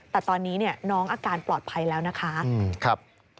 แต่ตอนนี้น้องอาการปลอดภัยแล้วนะคะ